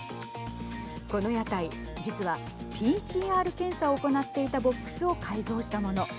この屋台、実はＰＣＲ検査を行っていたボックスを改造したもの。